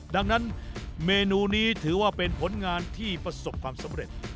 ดังนั้นเมนูนี้ถือว่าเป็นผลงานที่ประสบความสำเร็จ